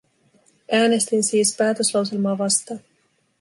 Äänestin siis päätöslauselmaa vastaan.